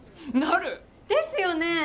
なる！ですよね！